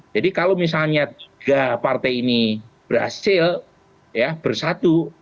jadi kalau misalnya tiga partai ini berhasil bersatu